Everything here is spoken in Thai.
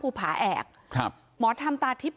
ภูผาแอกหมอทำตาทิพย์